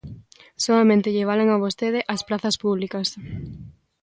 Soamente lle valen a vostede as prazas públicas.